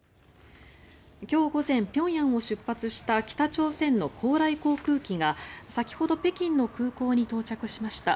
今日午前、平壌を出発した北朝鮮の高麗航空機が先ほど北京の空港に到着しました。